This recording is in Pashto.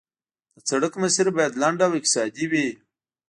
د سړک مسیر باید لنډ او اقتصادي وي